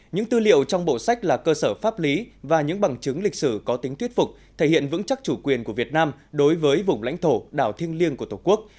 những tư liệu trong bộ sách là cơ sở pháp lý và những bằng chứng lịch sử có tính thuyết phục thể hiện vững chắc chủ quyền của việt nam đối với vùng lãnh thổ đảo thiêng liêng của tổ quốc